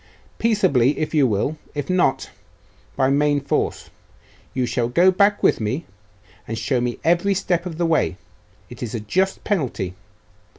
'Peaceably, if you will; if not, by main force. You shall go back with me, and show me every step of the way. It is a just penalty.